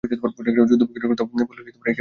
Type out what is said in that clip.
যুদ্ধবিগ্রহের কথা সকলে একেবারেই ভুলিয়া গেল।